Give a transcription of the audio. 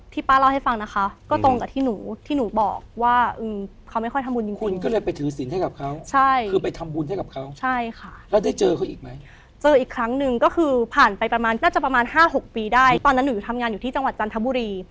ตอนนั้นหนูทำงานอยู่ที่จังหวัดจันทบุรี